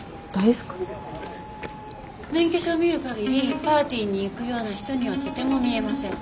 免許証を見る限りパーティーに行くような人にはとても見えません。